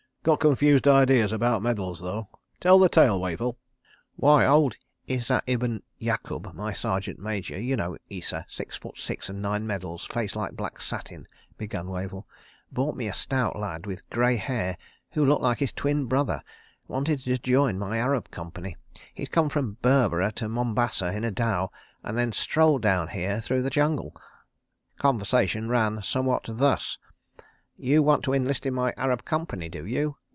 ... Got confused ideas about medals though. ... Tell the tale, Wavell." "Why—old Isa ibn Yakub, my Sergeant Major—you know Isa, six feet six and nine medals, face like black satin"—began Wavell, "brought me a stout lad—with grey hair—who looked like his twin brother. Wanted to join my Arab Company. He'd come from Berbera to Mombasa in a dhow, and then strolled down here through the jungle. ... Conversation ran somewhat thus: "'You want to enlist in my Arab Company, do you?